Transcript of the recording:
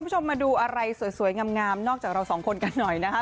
คุณผู้ชมมาดูอะไรสวยงามนอกจากเราสองคนกันหน่อยนะคะ